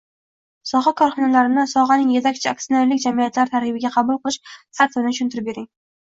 Soha korxonalarini sohaning etakchi aktsionerlik jamiyatlari tarkibiga qabul qilish tartibini tushuntirib bering.